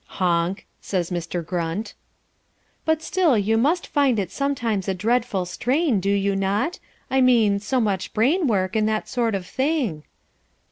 "Honk!" says Mr. Grunt. "But still you must find it sometimes a dreadful strain, do you not? I mean, so much brain work, and that sort of thing."